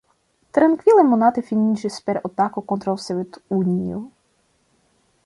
Trankvilaj monatoj finiĝis per atako kontraŭ Sovetunio.